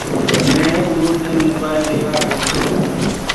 مينٚ اُرو دن موبآئيل ليوآ گو تو۔